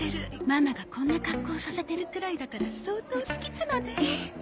ママがこんな格好させてるくらいだから相当好きなのね。